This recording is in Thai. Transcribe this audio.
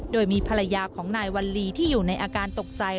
โดยมีภรรยาของนายวัลลีที่อยู่ในอาการตกใจ